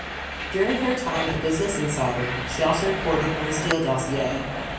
During her time at "Business Insider" she also reported on the Steele dossier.